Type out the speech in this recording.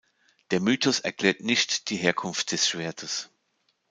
Der Mythos erklärt nicht die Herkunft des Schwertes.